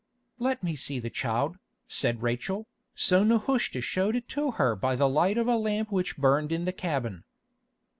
"Let me see the child," said Rachel. So Nehushta showed it to her by the light of a lamp which burned in the cabin.